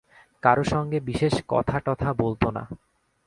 কারো সঙ্গে বিশেষ কথাটথা বলত না।